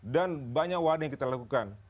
dan banyak wadah yang kita lakukan